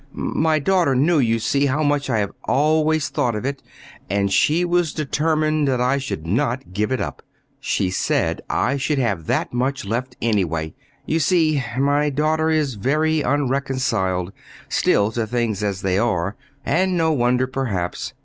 "My daughter knew, you see, how much I have always thought of it, and she was determined that I should not give it up. She said I should have that much left, anyway. You see my daughter is very unreconciled, still, to things as they are; and no wonder, perhaps.